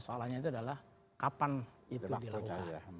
soalnya itu adalah kapan itu dilakukan